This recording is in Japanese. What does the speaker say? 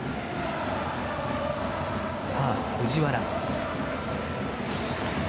さあ、藤原。